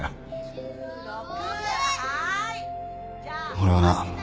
俺はな